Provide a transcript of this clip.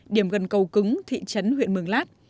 điểm gần cầu cứng thị trấn huyện mường lát